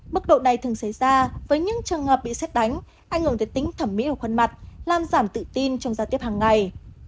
mức độ này thường xảy ra với những trường hợp bị xét đánh ảnh hưởng tới tính thẩm mỹ của khuôn mặt làm giảm tự tin trong giao tiếp hàng ngày